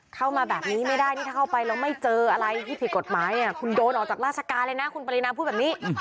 เข้ามาแบบนี้ไม่ได้นี่ถ้าเข้าไปแล้วไม่เจออะไรที่ผิดกฎหมายคุณโดนออกจากราชการเลยนะคุณปรินาพูดแบบนี้